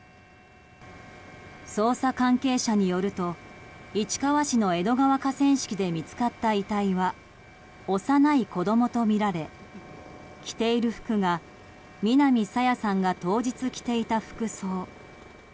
捜査関係者によると市川市の江戸川河川敷で見つかった遺体は幼い子供とみられ着ている服が南朝芽さんが当日着ていた服装。